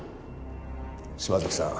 島崎さん